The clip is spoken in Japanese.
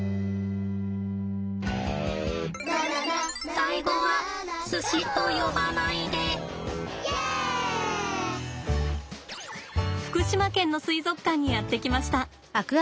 最後は福島県の水族館にやって来ました。